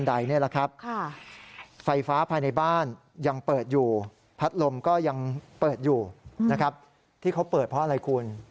ที่เขาเปิดเพราะอะไรคุณ